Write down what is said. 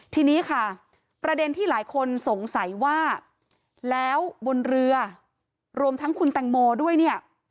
ทีนี้ค่ะประเด็นที่หลายคนสงสัยว่าแล้วบนเรือรวมทั้งคุณแตงโมด้วยเนี่ย